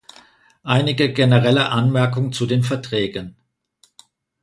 Einige generelle Anmerkungen zu den Verträgen.